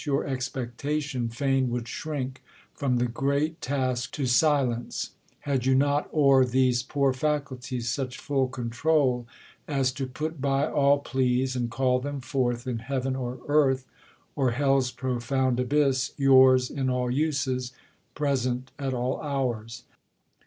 r expectation, fain would shrink From the grest task to silence, had you not O'er these poor faculties such full control^ As to put by all pleas, and call them forth In heaven or earth, or hell's profound abyss, Yours in all uses, present at all hours.